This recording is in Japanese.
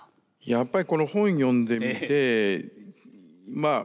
やっぱりこの本読んでみてまあ